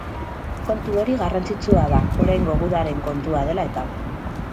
Kontu hori garrantzitsua da, oraingo gudaren kontua dela eta.